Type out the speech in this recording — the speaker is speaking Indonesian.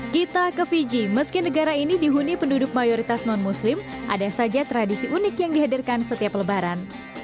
kita ke fiji meski negara ini dihuni penduduk mayoritas non muslim ada saja tradisi unik yang dihadirkan setiap lebaran